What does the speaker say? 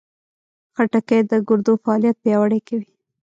خټکی د ګردو فعالیت پیاوړی کوي.